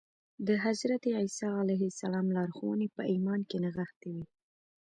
د حضرت عيسی عليه السلام لارښوونې په ايمان کې نغښتې وې.